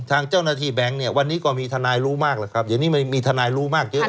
ทางเจ้าหน้าที่แบงค์เนี่ยวันนี้ก็มีทนายรู้มากแล้วครับเดี๋ยวนี้มันมีทนายรู้มากเยอะ